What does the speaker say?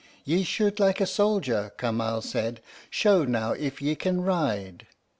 "Ye shoot like a soldier," Kamal said. "Show now if ye can ride."